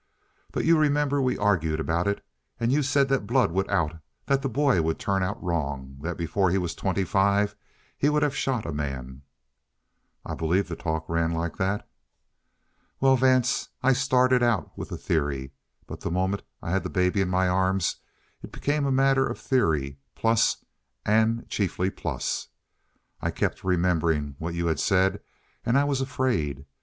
But you remember we argued about it, and you said that blood would out; that the boy would turn out wrong; that before he was twenty five he would have shot a man?" "I believe the talk ran like that." "Well, Vance, I started out with a theory; but the moment I had that baby in my arms, it became a matter of theory, plus, and chiefly plus. I kept remembering what you had said, and I was afraid.